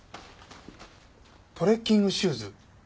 トレッキングシューズ。